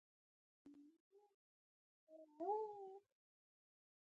زه غوښتل چې پر دغو موضوعاتو پوه شم